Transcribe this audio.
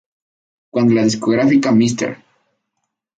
Cuando la discográfica Mr.